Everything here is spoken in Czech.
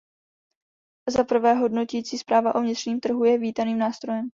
Zaprvé, hodnotící zpráva o vnitřním trhu je vítaným nástrojem.